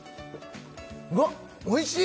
うわっおいしい！